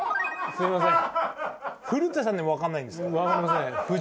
すいません。